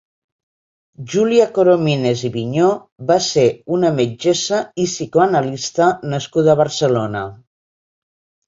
Júlia Coromines i Vigneaux va ser una metgessa i psicoanalista nascuda a Barcelona.